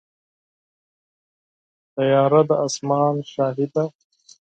طیاره د اسمان شاهي ده.